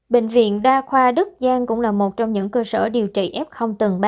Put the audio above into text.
bệnh viện đa khoa đức giang cũng là một trong những cơ sở điều trị f tầng ba